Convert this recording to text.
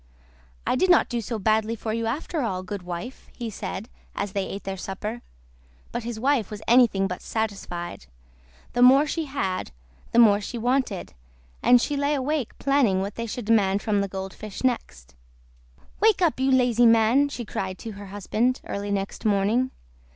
"I did not do so badly for you after all, good wife!" he said, as they ate their supper; but his wife was anything but satisfied. The more she had, the more she wanted, and she lay awake planning what they should demand from the Gold Fish next. "Wake up, you lazy man!" she cried to her husband, early next morning.